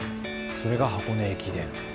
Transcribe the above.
それが箱根駅伝。